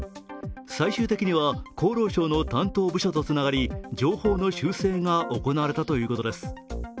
最終的には厚労省の担当部署とつながり情報の修正が行われたということです。